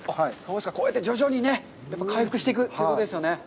こうやって、徐々に回復していくということですよね。